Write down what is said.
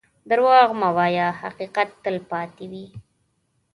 دروغ مه وایه، حقیقت تل پاتې وي.